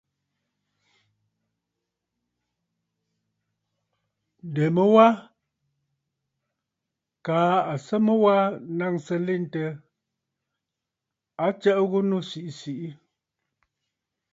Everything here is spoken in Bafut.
Ǹdèmu wa kaa à sɨ mu wa naŋsə nlentə, a tsəʼə ghu nu siʼi siʼi.